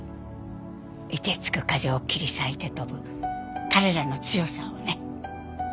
凍てつく風を切り裂いて飛ぶ彼らの強さをね。